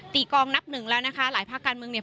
ตีกองนับหนึ่งแล้วนะคะหลายภาคการเมืองเนี่ย